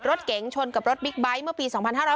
รถเก๋งชนกับรถบิ๊กไบท์เมื่อปี๒๕๕๙